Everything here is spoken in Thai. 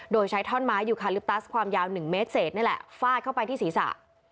โดยใช้ท่อนไม้ยูคาลิปตัสความยาว๑เมตรเศษนี่แหละฟาดเข้าไปที่ศีรษะ